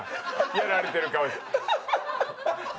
やられてる顔して。